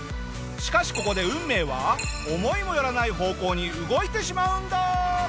しかしここで運命は思いも寄らない方向に動いてしまうんだ！